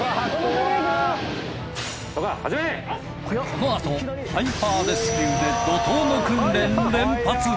このあとハイパーレスキューで怒涛の訓練連発！